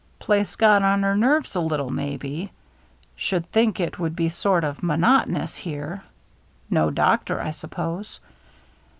"Place got on her nerves a little, maybe. Should think it would be sort of monotonous here. No doctor, I suppose?"